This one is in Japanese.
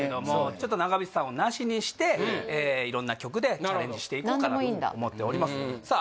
ちょっと長渕さんをなしにして色んな曲でチャレンジしていこうかなと何でもいいんだ思っておりますさあ